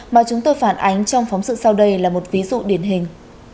mà chúng tôi phản ánh trong phóng sự sau đây là một ví dụ điển hình